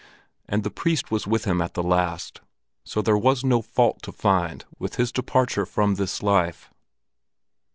And the priest was with him at the last; so there was no fault to find with his departure from this life.